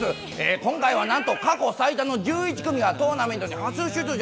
今回はなんと過去最多の１１組がトーナメントに初出場。